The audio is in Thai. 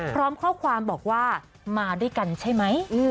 พร้อมข้อความบอกว่ามาด้วยกันใช่ไหม